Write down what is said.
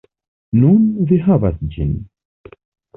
Nun, vi havas ĝin.